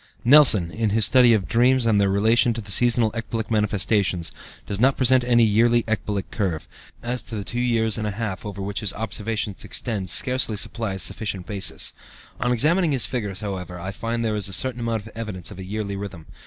Nelson, in his study of dreams and their relation to seasonal ecbolic manifestations, does not present any yearly ecbolic curve, as the two years and a half over which his observations extend scarcely supply a sufficient basis. On examining his figures, however, I find there is a certain amount of evidence of a yearly rhythm.